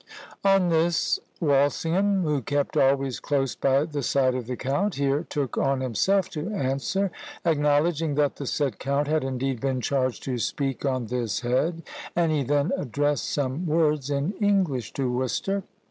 "On this Walsingham, who kept always close by the side of the count, here took on himself to answer, acknowledging that the said count had indeed been charged to speak on this head; and he then addressed some words in English to Worcester.